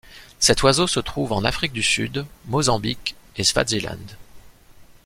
Cet oiseau se trouve en Afrique du Sud, Mozambique et Swaziland.